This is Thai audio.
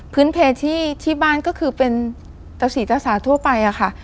พื้นเพชรที่บ้านก็คือเป็นตะสีตะสาทั่วไป